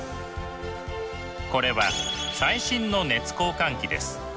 これは最新の熱交換器です。